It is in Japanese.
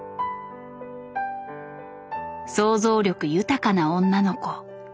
想像力豊かな女の子。